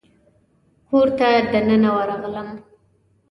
کور ته دننه ورغلم.